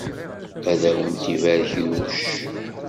Ad awent-ibarek Yuc!